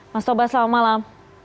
mas taufik basari selamat malam